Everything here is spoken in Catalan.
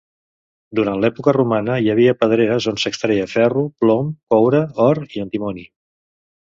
Durant l'època romana hi havia pedreres on s'extreia ferro, plom, coure, or i antimoni.